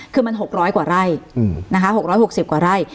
คือมันหกร้อยกว่าไร่อืมนะคะหกร้อยหกสิบกว่าไร่